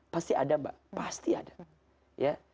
pasti ada mbak pasti ada ya